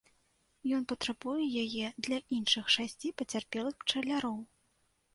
Ён патрабуе яе для іншых шасці пацярпелых пчаляроў.